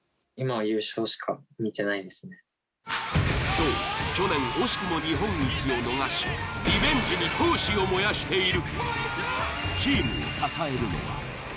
そう去年惜しくも日本一を逃しリベンジに闘志を燃やしている。